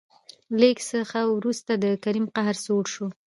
لېږ څه ورورسته د کريم قهر سوړ شو.